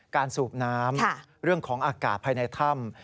สูบน้ำเรื่องของอากาศภายในถ้ำ